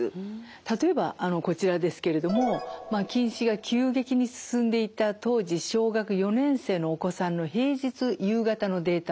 例えばこちらですけれども近視が急激に進んでいた当時小学４年生のお子さんの平日夕方のデータです。